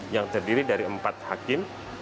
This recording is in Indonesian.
yang terdiri dari empat hakim